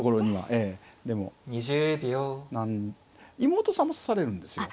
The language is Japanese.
妹さんも指されるんですよ。